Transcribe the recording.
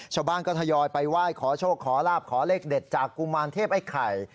ชาวบ้านก็ทยอยไปไหว้ขอโชคขอลาบขอเลขเด็ดจากกุมารเทพไอ้ไข่